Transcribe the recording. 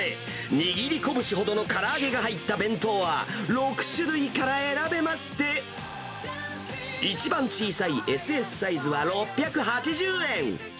握りこぶしほどのから揚げが入った弁当は６種類から選べまして、一番小さいＳＳサイズは６８０円。